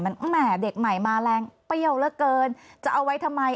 มันแหม่เด็กใหม่มาแรงเปรี้ยวเหลือเกินจะเอาไว้ทำไม